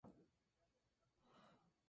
Su primera actividad fue la de periodista.